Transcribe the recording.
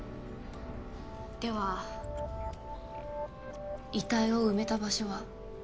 では遺体を埋めた場所は？